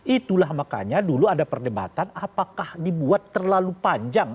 itulah makanya dulu ada perdebatan apakah dibuat terlalu panjang